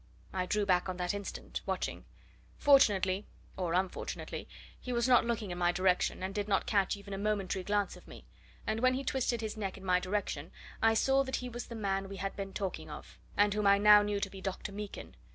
I drew back on the instant, watching. Fortunately or unfortunately he was not looking in my direction, and did not catch even a momentary glance of me, and when he twisted his neck in my direction I saw that he was the man we had been talking of, and whom I now knew to be Dr. Meekin.